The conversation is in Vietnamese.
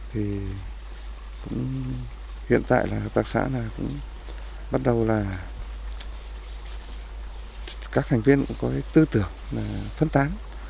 hiện tại là hợp tác xã bắt đầu là các thành viên cũng có tư tưởng phân tán